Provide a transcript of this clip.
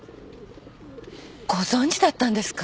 ご存じだったんですか？